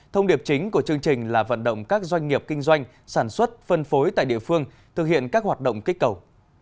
thông điệp chính của chương trình là vận động các doanh nghiệp kinh doanh sản xuất phân phối tại địa phương thực hiện các hoạt động kích cầu